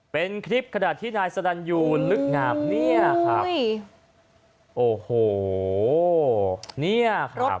เป็นคลิปขณะที่นายสรรยูลึกงามเนี่ยครับโอ้โหเนี่ยครับ